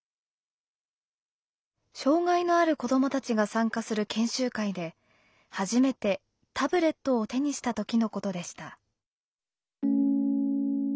障害のある子どもたちが参加する研修会で初めてタブレットを手にした時のことでした。